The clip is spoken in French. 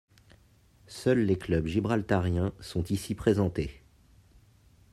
Seuls les clubs gibraltariens sont ici présentés.